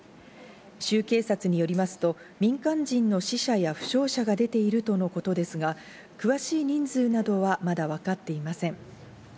州警察によりますと、民間人の死者や負傷者が出ているとのことですが、詳しい人数などはまだ分かっていません。